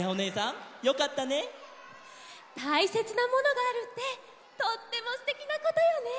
たいせつなものがあるってとってもすてきなことよね。